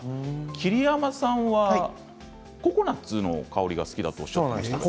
桐山さんは、ココナツの香りが好きだとおっしゃっているそうですね。